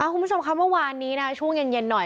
คุณผู้ชมค่ะเมื่อวานนี้นะช่วงเย็นหน่อย